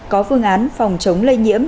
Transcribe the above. có phương án phòng chống lây nhiễm